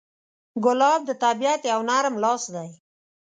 ګلاب د طبیعت یو نرم لاس دی.